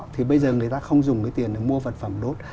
thì bây giờ người ta không dùng cái tiền để mua vật phẩm đốt